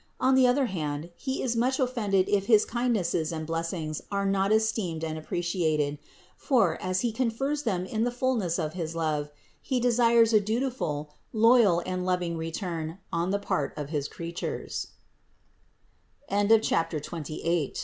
On the other hand, He is much offended if his kindnesses and blessings are not esteemed and appreciated; for, as He confers them in the fullness of his love, He desires a dutiful, loyal and loving return on the part of